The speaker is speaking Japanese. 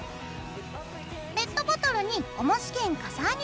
ペットボトルにおもし兼かさ上げ